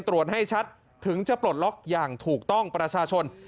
ตรวจให้ชัดถึงจะปลดล็อกอย่างถูกต้องประชาชน